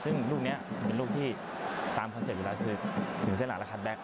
ซึ่งลูกนี้เป็นลูกที่ตามคอนเซ็ปต์เวลาถึงเส้นหลักและคัดแบ็ค